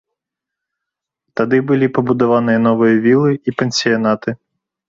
Тады былі пабудаваныя новыя вілы і пансіянаты.